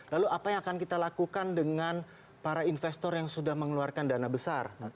lalu apa yang akan kita lakukan dengan para investor yang sudah mengeluarkan dana besar